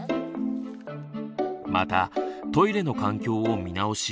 またトイレの環境を見直し